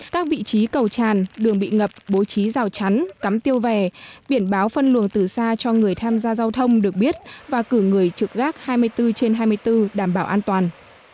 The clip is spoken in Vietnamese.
các vị trí cầu tràn đường bị ngập bố trí rào chắn cắm tiêu vè biển báo phân luồng từ xa cho người tham gia giao thông được biết và cử người trực gác hai mươi bốn trên hai mươi bốn đảm bảo an toàn